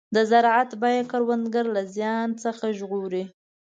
د زراعت بیمه کروندګر له زیان څخه ژغوري.